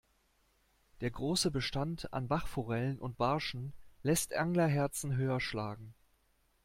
Der große Bestand an Bachforellen und Barschen lässt Anglerherzen höher schlagen.